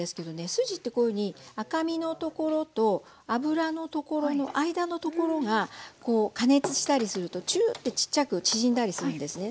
筋ってこういうふうに赤身のところと脂のところの間のところが加熱したりするとチューッてちっちゃく縮んだりするんですね。